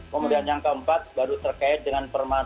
kemudian yang keempat baru terkait dengan permasalahan